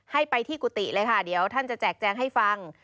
ให้ไปที่กุฏิเลยค่ะเดี๋ยวท่านจะแจกแจงให้ฟัง